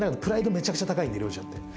めちゃくちゃ高いんで良ちゃんって。